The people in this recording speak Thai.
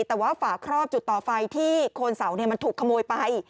แต่ว่าฝาครอบจุดต่อไฟที่โคนเสามันถูกขโมยไป